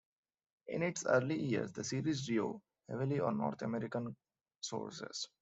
In its early years the series drew heavily on North American sources.